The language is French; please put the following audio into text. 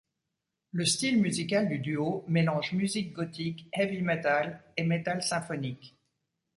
Le style musical du duo mélange musique gothique, heavy metal et metal symphonique.